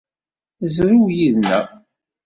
Zrew yid-neɣ!